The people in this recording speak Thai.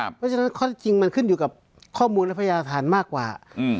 เพราะฉะนั้นข้อที่จริงมันขึ้นอยู่กับข้อมูลและพยาฐานมากกว่า